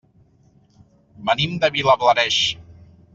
Venim de Vilablareix.